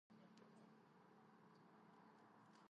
ანტიკური ხანის პერიოდში ქუშის დედაქალაქს წარმოადგენდა მეროე.